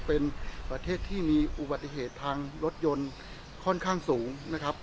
เป็นประเทศที่มีอุบัติเหตุทางรถยนต์ค่อนข้างสูงนะครับ